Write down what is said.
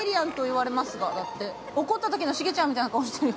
怒ったときの重ちゃんみたいな顔してる。